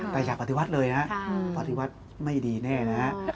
แต่อยากปฏิวัติเลยนะปฏิวัติไม่ดีแน่นะฮะ